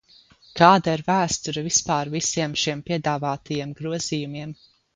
Kāda ir vēsture vispār visiem šiem piedāvātajiem grozījumiem?